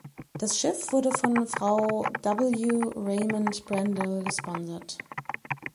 Das Schiff wurde von Frau W. Raymond Brendel gesponsert.